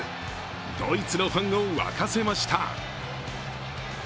ドイツのファンを沸かせました。